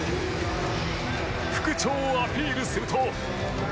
復調をアピールすると。